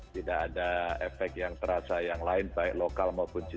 tidak ada efek yang terasa yang lain baik lokal maupun gratis